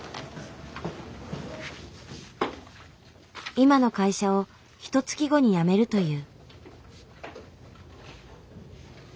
今の会社をひとつき後に辞めるという。